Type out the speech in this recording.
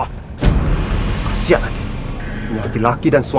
al al udah udah nino